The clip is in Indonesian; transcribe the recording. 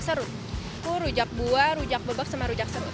serut itu rujak buah rujak bebek sama rujak serut